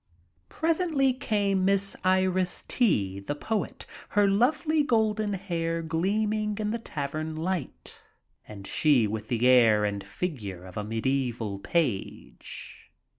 Presently came Miss Iris Tree, the poet, her lovely golden hair gleaming in the tavern light, and she with the air and figure of a mediaeval page.